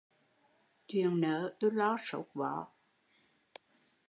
Chuyện nớ, tui lo sốt vó